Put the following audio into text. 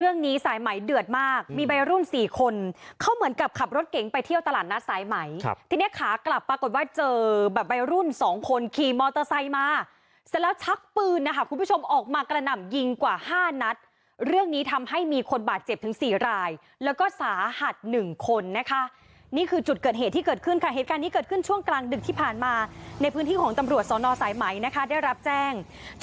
เรื่องนี้ซ้ายไหมด้วยเดือดมากมีใบรุ่น๔คนเข้าเหมือนกับขับรถเก๋งไปเที่ยวตลาดนัดซ้ายไหมที่เนี่ยขากลับปรากฏว่าเจอแบบใบรุ่น๒คนขี่มอเตอร์ไซต์มาเสร็จแล้วชักปืนนะค่ะคุณผู้ชมออกมากระหน่ำยิงกว่า๕นัดเรื่องนี้ทำให้มีคนบาดเจ็บถึง๔รายแล้วก็สาหัส๑คนนะคะนี่คือจุดเกิดเหตุที่เกิดขึ้น